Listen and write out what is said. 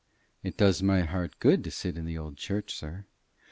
It does my heart good to sit in the old church, sir.